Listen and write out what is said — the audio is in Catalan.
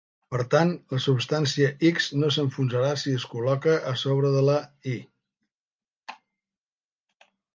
Per tant, la substància X no s'enfonsarà si es col·loca a sobre de la Y.